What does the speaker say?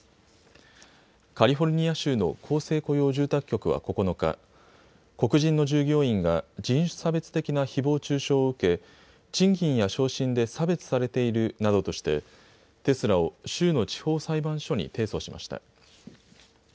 カリフォルニア州の公正雇用住宅局は９日、黒人の従業員が人種差別的なひぼう中傷を受け賃金や昇進で差別されているなどとしてテスラを州の地方裁判所に提訴しました。